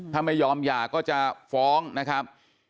ถ้าไม่ยอมหย่าก็จะฟ้องนะครับ